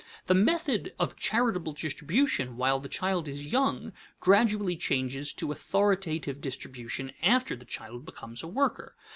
The method of charitable distribution while the child is young gradually changes to authoritative distribution after the child becomes a worker.